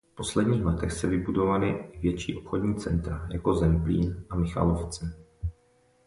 V posledních letech se vybudovali i větší obchodní centra jako Zemplín a Michalovce.